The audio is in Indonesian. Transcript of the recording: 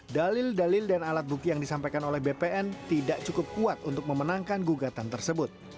dalil dalil dan alat bukti yang disampaikan oleh bpn tidak cukup kuat untuk memenangkan gugatan tersebut